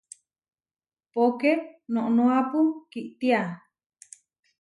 Póke noʼnoápu kítia.